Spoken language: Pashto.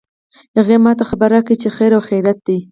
هغې ما ته خبر راکړ چې خیر او خیریت ده